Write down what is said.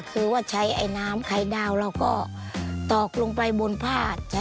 คือว่าใช้ไอ้น้ำไข่ดาวเราก็ตอกลงไปบนผ้า